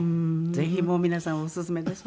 ぜひもう皆さんオススメです